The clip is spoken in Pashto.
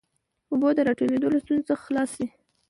اوبو د راټولېدو له ستونزې څخه خلاص سي.